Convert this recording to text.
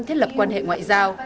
thiết lập quan hệ ngoại giao